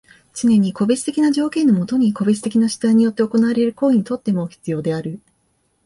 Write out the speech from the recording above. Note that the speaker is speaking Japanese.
つねに個別的な条件のもとに個別的な主体によって行われる行為にとっても必要である。